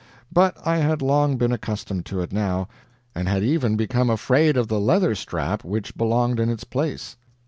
But I had long been accustomed to it now, and had even become afraid of the leather strap which belonged in its place.